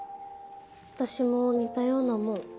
私も似たようなもん。